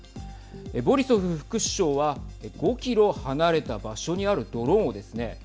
ボリソフ副首相は５キロ離れた場所にあるドローンをですね